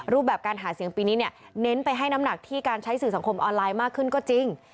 รูปแบบการหาเสียงปีนี้เนี่ยเน้นไปให้น้ำหนักที่การใช้สื่อสังคมออนไลน์มากขึ้นก็จริง